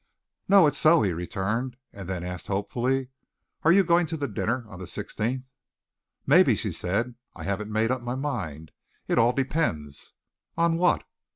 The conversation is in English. "No, it's so," he returned, and then asked hopefully, "Are you going to the dinner on the 16th?" "Maybe," she said. "I haven't made up my mind. It all depends." "On what?"